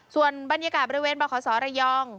ส่วนบรรยากาศบริเวณบขศระยอง